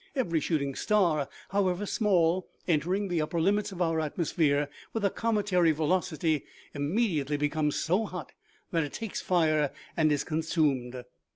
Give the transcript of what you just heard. Every shooting star, however small, entering the upper limits of our atmosphere with a cometary velocity, imme diately becomes so hot that it takes fire and is consumed.